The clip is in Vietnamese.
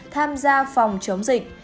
tham gia phòng chống dịch